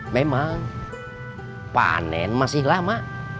memang panen masih lama